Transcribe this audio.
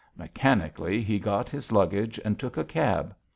Mechanically he got his luggage and took a cab.